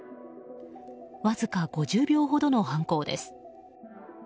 わずか５０秒ほどの犯行です。